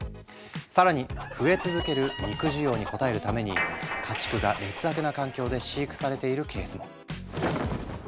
更に増え続ける肉需要に応えるために家畜が劣悪な環境で飼育されているケースも。